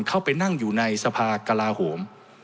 เข้าไปนั่งอยู่ในสภากลาโหม